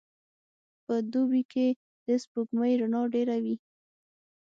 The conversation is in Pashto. په دوبي کي د سپوږمۍ رڼا ډېره وي.